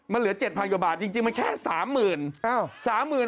มันเหลือ๗๐๐กว่าบาทจริงมันแค่๓๐๐๐บาท